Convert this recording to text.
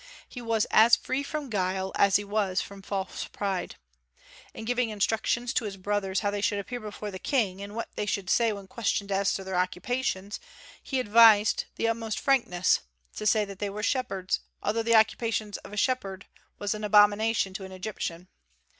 He was as free from guile as he was from false pride. In giving instructions to his brothers how they should appear before the King, and what they should say when questioned as to their occupations, he advised the utmost frankness, to say that they were shepherds, although the occupation of a shepherd was an abomination to an Egyptian.